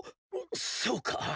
そうか。